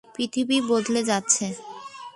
পৃথিবী বদলে যাচ্ছে।